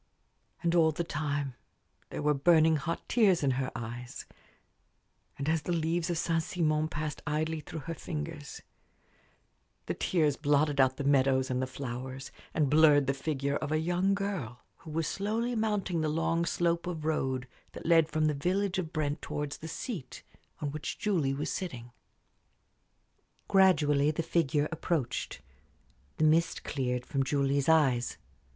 And all the time there were burning hot tears in her eyes; and as the leaves of Saint Simon passed idly through her fingers, the tears blotted out the meadows and the flowers, and blurred the figure of a young girl who was slowly mounting the long slope of road that led from the village of Brent towards the seat on which Julie was sitting. Gradually the figure approached. The mist cleared from Julie's eyes.